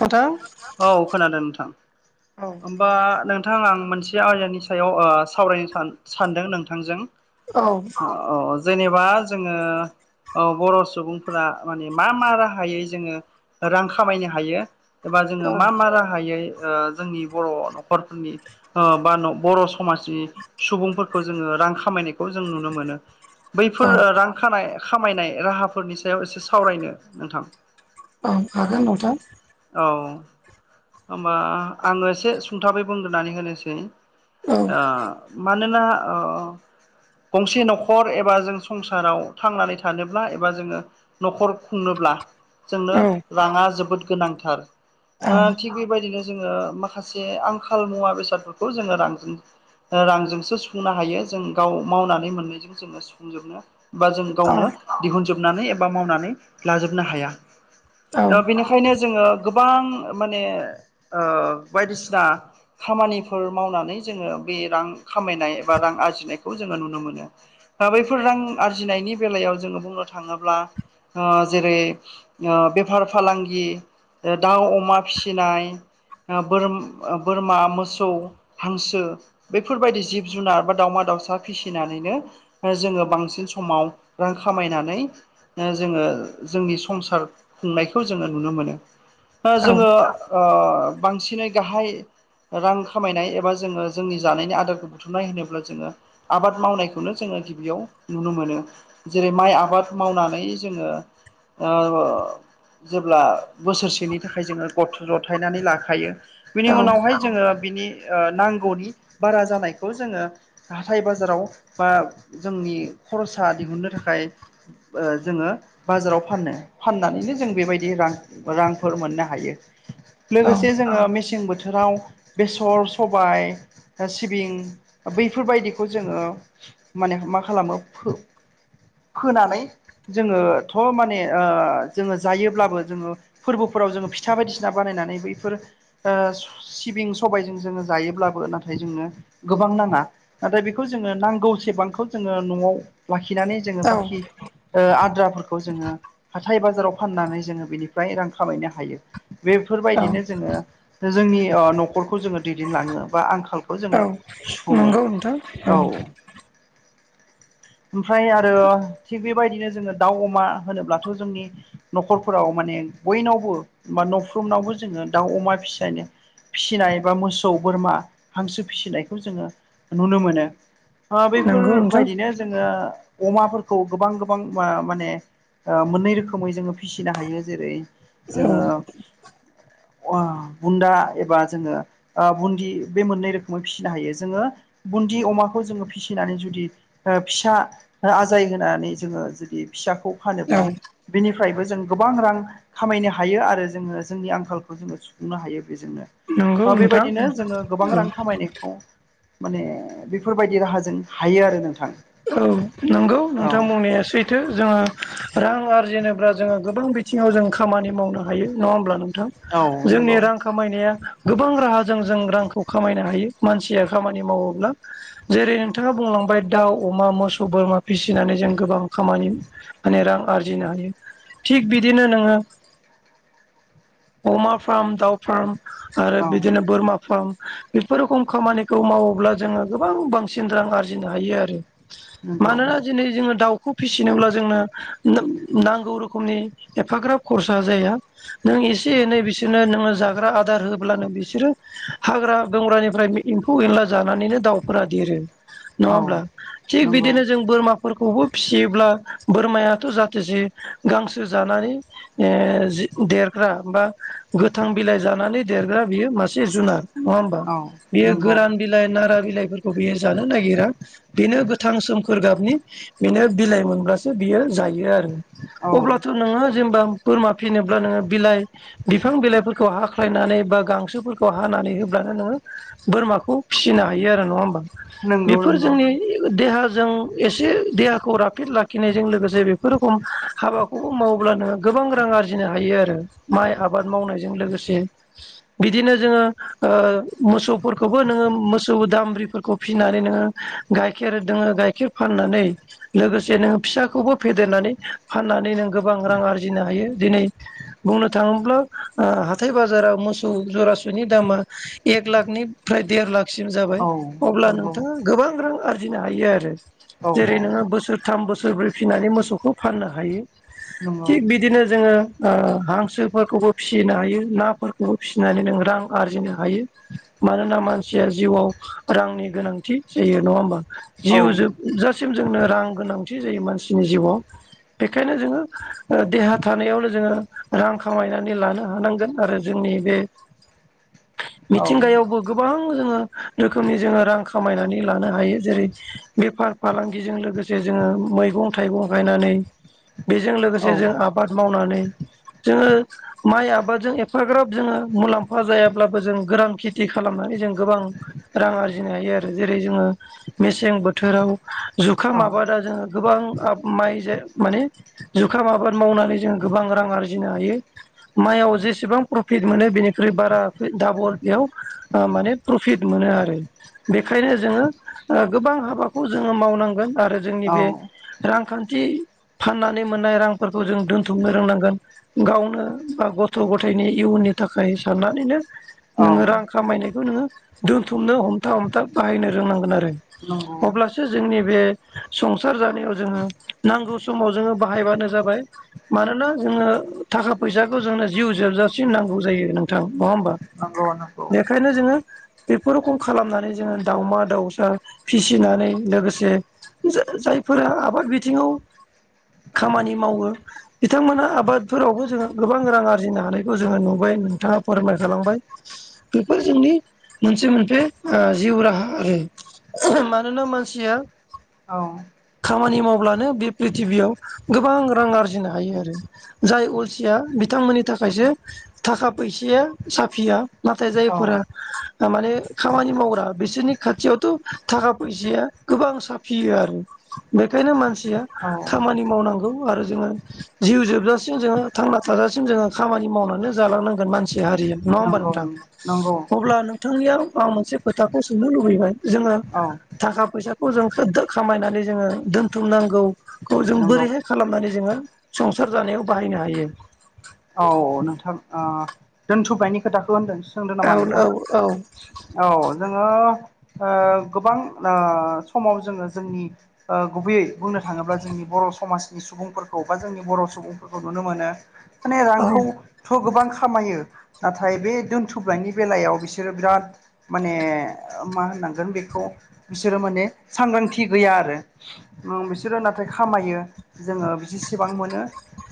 नोंथां औ खोनादों नोंथां। औ बा नोंथां आं मोनसे आयदानि सायाव आ सावरायनो सा-सानदों नोंथांजों। औ औ जेनेबा जोङो बर' सुबुंफोरा माने मा मा राहायै जोङो रां खामायनो हायो? एबा जोङो मा औ मा राहायै जोंनि बर' न'खरफोरनि बा बर' समाजनि सुबुंफोरखौ जोङो रां खामायनायखौ जों नुनो मोनो बैफोर रां खानाय खामायनाय राहाफोरनि सायाव एसे सावरायनो नोंथां। औ हागोन नोंथां। औ होनबा आङो एसे सुंथाबै बुंग्रोनानै होनोसै। औ ओ मानोना‌ अअ गंसे न'खर एबा जों संसाराव थांनानै थानोब्ला एबा जोङो न'खर खुंनोब्ला जोंनो औ राङा जोबोद गोनांथार औ थिग बेबायदिनो जोङो माखासे माखासे आंखाल मुवा बेसादफोरखौ जोङो रांजों रांजोंसो सुफुंनो हायो जों गाव मावनानै मोननायजों जोङो सुफुंजोबनो बा जों औ गावनो दिहुनजोबनानै एबा मावनानै लाजोबनो हाया। औ बेनिखायनो जोङो गोबां माने बायदिसिना खामानिफोर मावनानै जोङो बे रां खामायनाय एबा रां आरजिनायखौ जोङो नुनो मोनो। दा बैफोर रां आरजिनायनि बेलायाव जोङो बुंनो थाङोब्ला जेरै बेफार फालांगि दाउ अमा फिसिनाय बोर-बोरमा मोसौ हांसो बेफोरबायदि जिब जुनार बा दाावमा दाउसा फिसिनानै जोङो बांसिन समाव रां खामायनानै जोङो जोंनि संसार खुंनायखौ जोङो नुनो मोनो। जोङो औ बांसिनै गाहाय रां खामायनाय एबा जोङो जोंनि जानायनि आदारखौ बुथुमनाय होनोब्ला जोङो आबाद मावनाय खौनो जोङो गिबियाव नुनो मोनो जेरै माइ आबाद मावनानै जोङो ओ जेब्ला बोसोरसेनि थाखाय जोङो गथ' जथायनानै लाखायो। बिनि औ उनावहाय जोङो बिनि नांगौनि बारा जानायखौ जोङो हाथाइ बाजाराव बा जोंनि खरसा दिहुननो थाखाय जोङो बाजाराव फानो फाननानैनो जों बेबायदि रां रांफोर मोननो हायो। लोगोसे जोङो मेसें बोथोराव बेसर सबाय सिबिं बैफोरबायदिखौ जोङो माने मा खालामो फोनानै जोङो थ' माने जोङो जायोब्लाबो जोङो फोरबोफोराव जोङो फिथा बायदिसिना बानायनानै बैफोर सिबिं सबायजों जोङो जायोब्लाबो नाथाय जोंङो गोबां नाङा नाथाय बेखौ जोङो नांग गौ सेबांखौ जोङो न'आव लाखिनानै जोङो बाखि आद्राफोरखौ जोङो हाथाय बाजाराव फाननानै जोङो बिनिफ्राय रां खामायनो हायो। औ बेफोरबायदिनो जोङो जोंनि न'खर न'खरखौ जोङो दैदेनलाङो बा आंखालखौ जोङो सुफुङो नंगौ नोंथां औ ओमफ्राय आरो थिग बेबायदिनो जोङो दाउ अमा होनोब्लाथ' जोंनि न'खरफोराव माने बयनावबो बा न'फ्रुमनावबो जोङो दाउ अमा फिसनो फिसिनाय बा मोसौ बोरमा हांसो फिसिनायखौ जोङो नुनो मोनो नंगौ नोंथां बेफोरबायदिनो जोङो अमाफोरखौ गोबां गोबां माने मोननै रोखोमै जोङो फिसिनो हायो जेरै औ जोङो बुन्दा एबा जोङो बुन्दि बे मोननै रोखोमै फिसिनो हायो जोङो बुन्दि अमाखौ जो फिसिनानै जुदि फिसा आजाय होनानै जोङो जुदि फिसाखौ औ फानोब्ला बिनिफ्रायबो जों गोबां रां खामायनो हायो आरो जोङो जोंनि आंखालखौ जोङो सुफुंनो हायो नंगौ बेजोंनो नोंथां बेबायदिनो जोङो गोबां औ रां खामायनायखौ माने बेफोरबायदि राहाजों हायो आरो नोंथां औ नंगौ औ नोंथां बुंनाया सुइथ जोङो रां आरजिनोब्ला जोङो गोबां बिथिङाव जों खामानि माव मावनो हायो नङा होमब्ला नोंथां औ जोंनि नंगौ रां खामायनाया गोबां राहाजों जों रांखौ खामायनो हायो मानसिया खामानि मावोब्ला जेरै नोंथाङा बुंलांबाय दाउ अमा मोसौ बोरमा फिसिनानै जों गोबां खामानि माने रां आरजिनो हायो। थिग बिदिनो नोङो अमा फार्म दााव फार्म आरो औ बदि बर मा फारम बेफोर रोखोम खामानिखौ मावोब्ला जोङो गोबां बांसिन रां आरजिनो हायो आरो नंगौ मानोना दिनै जोङो दाउखौ फिसिनोब्ला जोंनो नांगौ रोखोमनि एफाग्राब खरसा जाया नों एसे एनै बिसोरनो नोङो जाग्रा आदार होोब अ्लानोों बिसोरो हाग्रा बंग्रानिफ्राय एम्फौ एनला जानानैनो दाउफोरा देरो औ नङाबब्ला थग नंगौ बिदिनो ज जों बोरमाफोरखौबो फिसियोब्ला बोरमायाथ' जाहाथे जे गांसो जानानै देरग्रा बा गोथां बिलाइ जानानै देरग्रा बियो मासे जुनार नङा होमबा औ बियो नंगौ गोरान बिलाइ नारा बिलाइ बि ज नागिरा बेनो गोथां हंखोर गाबनि बिनो बिलाइ मोनब्लासो बियो जायो आरो। औ अब्लाथ' नोङो जेनेबा बोरमा फिसिनोब्ला नोङो बिलाइ बिफां बिलाइफोरखौ हाख्लायनानै बा गांसोफोरखौ हानानै होब्लानो नोङो बोरमाखौ फिसिनो हायो आरो नङा होमबा नंगौ बेफोर नंगौ जोंनि देहाजों एसे देहाखौ राफोद लाखिनायजों लोगोसे बेफोर रोखम हाबाखौ बेखौ मावब्लानो गोबां रां आरजिनो हायो आरो माइ आबाद मावनायजों लोगोसे बिदिनो जोङो ओ मोसौफोरखौबो नोङो मोसौ दामब्रिफोरखौ फिसिनानै नोङो गाइखेर दोङो गाइखेर फाननानै लोगोसे नोङो फिसाखौबो फेदेरनानै फाननानै नों गोबां रां आरजिनो हायो दिनै बुंनो थाङोब्ला हाथथाय बाजाराव मोसौ जराास'नि दामा एक लाखनिफ्राय देर लाख सिम जाबाय औ अब्ला नंगौ नोंथाङा गोबां रां आरजिनो हायो आरो। औ औ जेरै नोङो बोसोर थाम बोसोरब्रै फिसिनानै मोसौखौ फाननो हायो नंगौ थिग बिदिनो जोङो ओ हांसोफोरखौबो फिसिनो हायो नाफोरखौबो फिसिनानै नों रां आरजिनो हायो। मानोना मानसिया जिउआव रांनि गोनांथि जायो नङा होमबा? औ जिउ जोब जासिम जोंनो रां गोनांथि जायो मानसिनि जिउआव बेखायनो जोङो ओ देहा थानायावनो जोङो रां खामायनानै लानो हानांगोन आरो जोंनि बे औ मिथिंगायावबो गोबां जोङो रोखोमनि जोङो रां खामायनानै लानो हायो। जेरै बेफार फालांगिजों लोगोसे जोङो मैगं थाइगं गायनानै बेजों औ लोगोसे जों आबाद मावनानै जोङो माइ आबादजों एफाग्राब जोङो मुलाम्फा जायाब्लाबो जों गोरान खेथि खालामनानै जों गोबां रां आरजिनो हायो। आरो जेरै जोङो मेसें बोथोराव जुखाम औ माबादा जोङो गोबां आब माइ माने जुखाम आबाद मावनानै जोङो गोबां रां आरजिनो हायो माइयाव जेसेबां प्रफिट मोनो बेनिख्रुइ बारा दाबल बेयाव ओ माने प्रफिट मोनो आरो। बेखायनो जोङो ओ गोबां हाबाखौ जोङो मावनांगोन आरो जोंनि बे रांखान्थि फाननानै मोननाय रांफोरखौ जों दोनथुमनो रोंनांगोन। गावनो बा गथ' गथायाइनि इयुननि थाखाय साननानैनो औ नोङो रां खामायनायखौ नोङो दोनथुमनो हमथा हमथा बाहायनो रोंनांगोन आरो। नंगौ। अब्लासो जोंनि बे संसार जानायाव जोङो नांगौ समाव जोङो बाहायबानो जाबाय मानोना जोङो थाखा फैसाखौ जोंनो जिउ जोबजासिम नांगौ जायो। नोंथां नङा होमबा? नंगौ नंगौ बेखायनो जोङो बेफोर रोखम खालामनानै जोङो दावमा दाउसा फिसिनानै लोगोसे जाजायफोरा आबाद बिथिङाव खामानि मावो बिथांमोना आबादफोरावबो जोङो गोबां रां आरजिनो हानायखौ जोङो नुबाय नोंथाङा फोरमायखांबाय। बेफोर जोंनि मोनसे मोनफे ओ जिउ राहा आरो। आहो मानोना मानसिया औ खामानि मावब्लानो बे प्रिथिबियाव गोबां रां आरजिनो हायो आरो। जाय अलसिया बिथांमोननि थाखायसो थाखा फैसाया साफिया नाथाय औ जायफोरा माने खामानि मावग्रा बिसोरनि खाथियावथ' थाखा फैसाया गोबां साफियो आरो बेखायनो मानसिया औ खामानि मावनांगौ आरो जोङो जिउ जोबजासिम जोङो थांना थाजासिम जोङो खामानि मावनानै जालांनांगोन मानसि हारिया नङा होमबा नंगौ नोंथां? नंगौ अब्ला नोंथांनियाव आं मोनसे खोथाखौ सोंनो लुबैबाय जोङो औ थाखा फैसाखौ जों [unintelligible] खामायनानै जोङो दोन्थुमनांगौखौ जों नंगौ बोरैहाय खालामनानै जोङो संसार जानायाव बाहायनो हायो। औ औ नोंथां ओ दोनथ'नायनि खोथाखौ होनदों सोंदों नामा औ नोंथां? औ औ औ जोङो ओ गोबां ओ समाव जोङो जोंनि ओ गुबैयै बुंनो थाङोब्ला जोंनि बर' समाजनि सुबुंफोरखौ बा जोंनि बर' सुबुं फोरखौ नुनो मोनो माने औ रांखौ थ' गोबां खामायो नाथाय बे दोनथुमनायनि बेलायाव बिसोरो बिराद माने मा होननांगोन बेखौ बिसोरो माने सांग्रांथि गैया आरो ओ बिसोरो नाथाय खामायो जोङो बिसेबां मोनो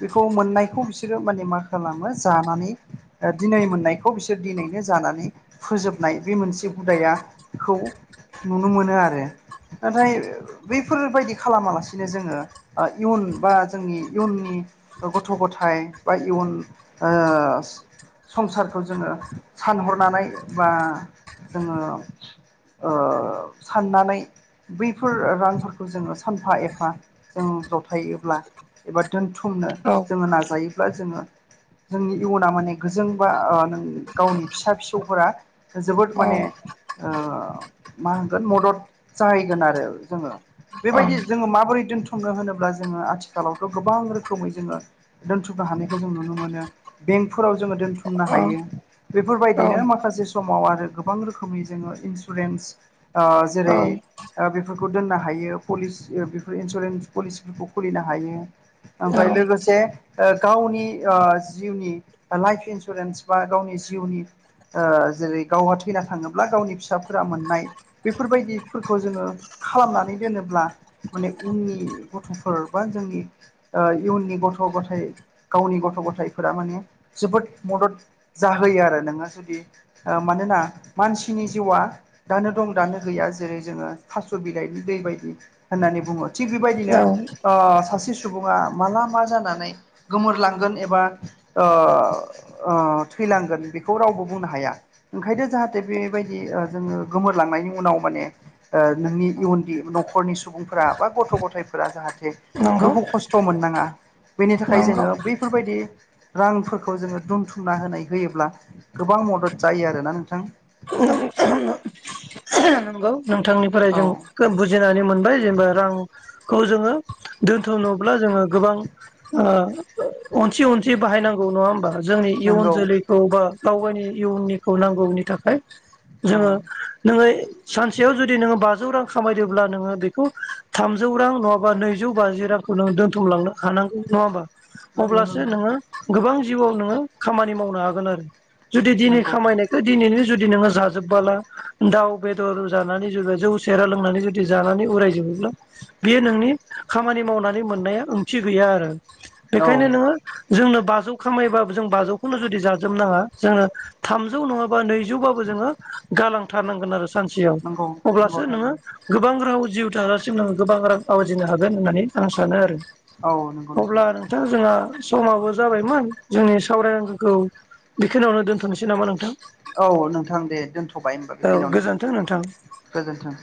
बेखौ मोननायखौ बिसोर बिसोरो माने मा खालामो जानानै दिनै मोननायखौ बिसोर दिनैनो जानानै फोजोबनाय बे मोनसे हुदायाखौ नुनो मोनो आरो। नाथाय बैफोरबायदि खालामालासिनो जोङो आ इयुन बा जोंनि इयुननि गथ' गथाय बा इयुन ओ संसारखौ जोङो सानहरनानै बा जोङो ओ साननानै बैफोर रांफोरखौ जोङो सानफा एफा जों जथायोबब्ला एबा दोनथुमनो औ जोङो नाजायोब्ला जोङो जोंनि इउना माने गोजों बा ओ गावनि फिसा फिसौफोरा जोबोद औ माने ओ मा होनगोन मदद जाहैगोन आरो जोङो औ बेबायदि जोङो माबोरै दोन्थुमनो होनोब्ला जोङो आथिखालावथ' गोबां रोखोमै जोङो नो हखौ जों नुनो मोनो बेंकफोराव जोङो दोनथुमनो हायो बेफोरबायदिनो माखासे समाव आरो गोबां रोखोमनि जोङो इन्सुरेन्स औ जेरै बेफोरखौ दोननो हायो पलिसि बेफोर इन्सुरेन्स पलिसिफोरखौ खुलिनो हायो औ ओमफ्राय लोगोसे गावनि जिउनि लाइफ इन्सुरेन्स बा गावनि जिउनि जेरै गावहा थैना थाङोब्ला गावनि फिसाफोरा मोननाय बेफोरबायदि खौ जोङो खालामनानै दोनोब्ला माने उननि गथ'फोर बा जोंनि इयुननि गथ' गथायाइ गावनि गथ' गथायफोरा माने जोबोद मदद जाहोयो आरो नोङो जुदि मानोना मानसिनि जिउआ दानो दं दानो गैया जेरै जोङो थास' बिलाइनि दै बायदि होननानै बुङो थिग बेबायदिनो औ सासे सुबुङा माला मा जानानै गोमोरलांगोन एबा थैलांगोन बेखौ रावबो बुंनो हाया ओंखायनो जाहाथे बेबायदि जोङो गोमोरलांनायनि उनाव माने नोंनि इयुन न'खरनि सुबुंफोरा बा गथ' गथायफोरा जाहाथे नंगौ दुखु ख स्थ' मोननाङा बेनि थाखाय जोङो नंगौ बैफोरबायदि रांफोरखौ जोङो दोनथुमना होनाय होयोब्ला गोबां मदद जायो आरोना नोंथां नंगौ नोंथांनिफ्राय औ जों बुजिनानै मोनबाय जेनेबा रांखौ जोङो दोनथ'नोब्ला जोङो गोबां ओ अनसि अनसि बाहायनांगौ नङा होमबा जोंनि इयुन नंगौ जोलैखौ बा गाव गावनि इयनिखौ नांगौनि थाखाय औ जोङो नोङो सानसेयाव जुदि नोङो बाजौ रां खामायदोंब्ला नोङो बेखौ थामजौ रां नङाबा नैजौ बाजि रां खौ नों दोनथुमलांनो हानांगोन नङा होमबा नंगौ अब्लासो नोङो गोबां जिउआव नोङो खामानि मावनो हागोन आरो जुदि दिनै नंगौ नंगौ खामायनायखौ दिनैनो जुदि नोङो जाजोबबोला दाउ बेदर जानानै जबा जौ सेरा लोंनानै जुदि जानानै उरायजोबोब्ला बेयो नोंनि खामानि मावनानै मोननाया ओंथि गैया आरो औ बेखायनो नोङो जोंनो बाजौ खामायोबो जों बाजौखौनो जुदि जाजोबनाङा जोंनो थामजौ नङाबा नैजौ थेवबाबो जोङो गालांथारनांगोन आरो सानसेयाव नंगौ अब्लासो नंगौ नोङो थारैनो गोबां राव जिउ था गोबां रां आवजिनो हागोन होननानै आं सानो आरो औ नंगौ अब्ला नोंथां जोंहा समाबो जाबायमोन जोंनि सावरायखौ बेखिनियावनो दोनथ'नोसै नामा नोंथां औ नोंथां दे दोनथ'बाय हबा औ गोजोन्थों नोंथां बेखिनियावनो गोजोनथों